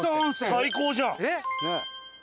最高じゃん。